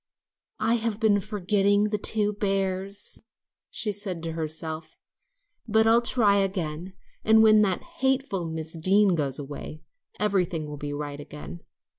"I've been forgetting the two bears," she said to herself, "but I'll try again, and when that hateful Miss Deane goes away, everything will be right again.